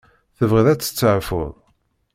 Tebɣiḍ ad testeεfuḍ?